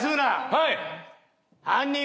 はい！